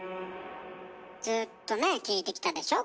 ずっとね聞いてきたでしょ？